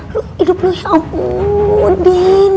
hidup lo ya ampun